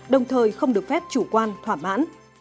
đồng thời không được phép chủ quan thỏa mãn